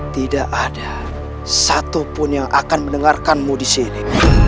tidak ada satupun yang akan mendengarkanmu disini